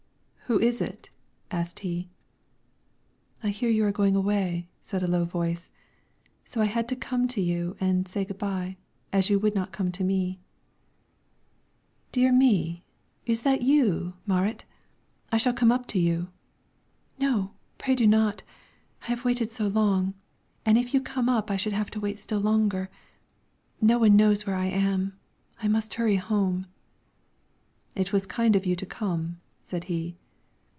"Who is it?" asked he. "I hear you are going away," said a low voice, "so I had to come to you and say good by, as you would not come to me." "Dear me! Is that you, Marit? I shall come up to you." "No, pray do not. I have waited so long, and if you come I should have to wait still longer; no one knows where I am and I must hurry home." "It was kind of you to come," said he.